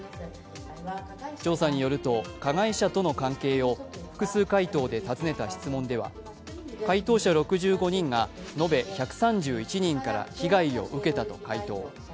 調査によると加害者との関係を複数回答で尋ねた質問では回答者６５人が延べ１３１人から被害を受けたと回答。